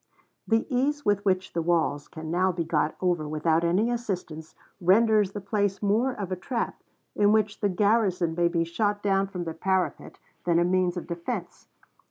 "The ease with which the walls can now be got over without any assistance renders the place more of a trap, in which the garrison may be shot down from the parapet, than a means of defense.